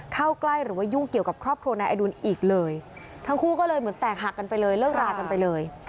เข้าใกล้หรือว่ายุ่งเกี่ยวกับครอบครัวนายอดุลอีกเลยทั้งคู่ก็เลยเหมือนแตกหักกันไปเลยเลิกรากันไปเลย